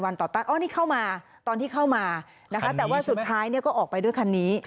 แล้วสุดท้ายก็ออกไปด้วยคันนี้